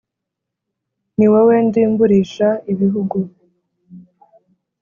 Ni wowe ndimburisha ibihugu